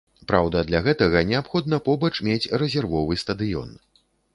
Праўда, для гэтага неабходна побач мець рэзервовы стадыён.